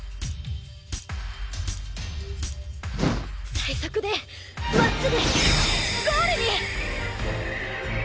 最速で真っすぐゴールに！